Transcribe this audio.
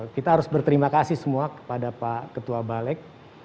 kita harus berterima kasih semua kepada pak ketua balik